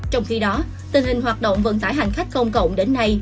trong khi đó tình hình hoạt động vận tải hành khách công cộng đến nay